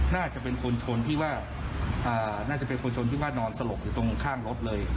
น่าจะเป็นคนชนที่ว่านอนสลบอยู่ตรงข้างรถเลย